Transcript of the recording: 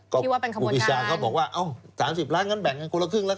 ก็บุปิชาเขาบอกว่าเอ้า๓๐ล้านก็แบ่งกันกว่าละครึ่งละกัน